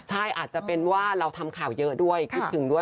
ใช่อาจจะเป็นว่าเราทำข่าวเยอะด้วยคิดถึงด้วย